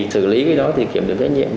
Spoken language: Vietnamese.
xử lý cái đó thì kiểm điểm trách nhiệm